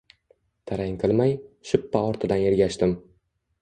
Tarang qilmay, shippa ortidan ergashdim